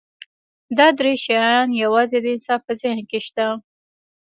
دا درې شیان یواځې د انسان په ذهن کې شته.